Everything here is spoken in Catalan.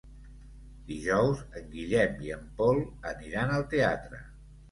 Dijous en Guillem i en Pol aniran al teatre.